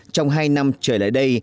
trong hai năm trở lại đây